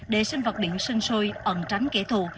để sinh vật biển sân sôi ẩn tránh kẻ thù